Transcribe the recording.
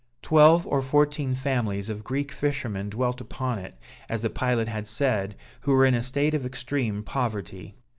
Twelve or fourteen families of Greek fishermen dwelt upon it, as the pilot had said, who were in a state of extreme poverty.